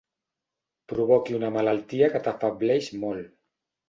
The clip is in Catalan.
Provoqui una malaltia que t'afebleix molt.